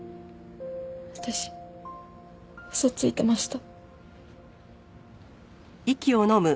私嘘ついてました。